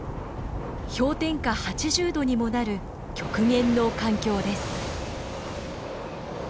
氷点下８０度にもなる極限の環境です。